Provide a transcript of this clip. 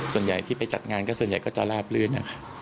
ส่วนใหญ่ที่ไปจัดงานก็ส่วนใหญ่ก็จะลาบลื่น